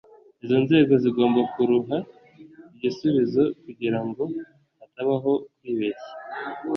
izo nzego zigomba kuruha igisubizo kugira ngo hatabaho kwibeshya